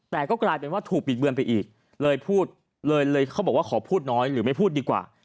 แต่ก็กลายเป็นว่าถูกบิดเบือนไปอีกเลยพูดเลยเลยเขาบอกว่าขอพูดน้อยหรือไม่พูดดีกว่า